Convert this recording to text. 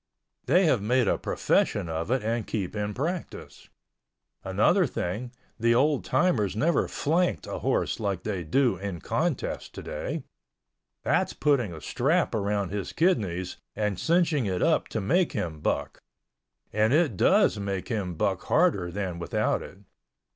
They have made a profession of it and keep in practice. Another thing, the old tuners never flanked a horse like they do in contest today—that's putting a strap around his kidneys and cinching it up to make him buck—and it does make him buck harder than without it.